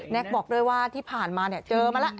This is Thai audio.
แน็กบอกด้วยว่าที่ผ่านมาเนี่ยเจอมาแล้ว